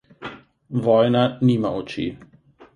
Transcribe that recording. Vojna nima oči.